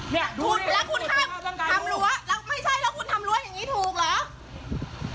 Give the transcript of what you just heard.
เนี่ยคุณแล้วคุณห้ามทำรั้วแล้วไม่ใช่แล้วคุณทำรั้วอย่างนี้ถูกเหรอ